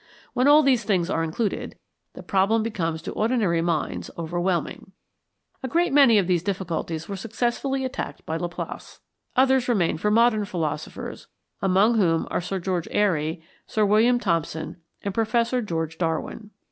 When all these things are included, the problem becomes to ordinary minds overwhelming. A great many of these difficulties were successfully attacked by Laplace. Others remained for modern philosophers, among whom are Sir George Airy, Sir William Thomson, and Professor George Darwin.